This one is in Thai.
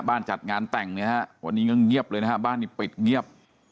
จัดงานแต่งเนี่ยฮะวันนี้ก็เงียบเลยนะฮะบ้านนี้ปิดเงียบ